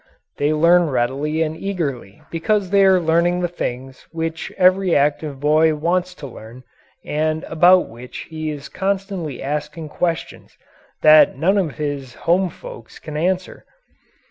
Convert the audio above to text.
They learn readily and eagerly because they are learning the things which every active boy wants to learn and about which he is constantly asking questions that none of his home folks can answer.